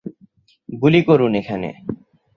গুলি করুন এখানে!